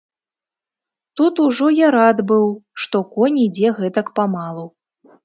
Тут ужо я рад быў, што конь ідзе гэтак памалу.